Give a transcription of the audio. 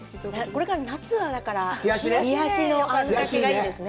これから夏はだから冷やしの餡かけがいいですね。